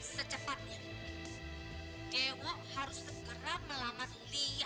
secepatnya dewa harus segera melamar lia